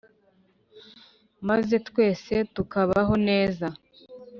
Maze twese tukabaho neza